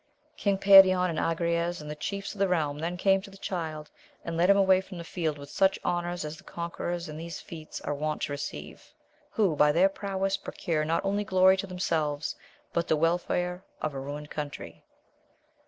King Perion and Agrayes, and the chiefs of the realm, then came to the Child, and led him away from the field with such honours as the conquerors in these feats are wont to receive, who by their prowess pro ♦^cure not only glory to themselves, but the welfare of a ruined country.